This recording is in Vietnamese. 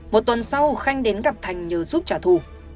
một tuần sau khanh đến gặp thành nhờ giúp trả thù